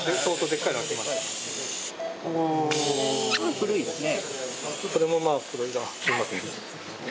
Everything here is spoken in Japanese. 古いですね。